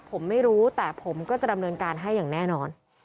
ผมไม่รู้แต่ผมก็จะดำเนินการให้อย่างแน่นอน